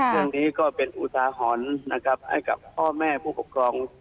เรื่องนี้ก็เป็นอุทาหรณ์นะครับให้กับพ่อแม่ผู้ปกครอง